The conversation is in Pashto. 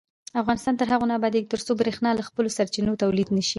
افغانستان تر هغو نه ابادیږي، ترڅو بریښنا له خپلو سرچینو تولید نشي.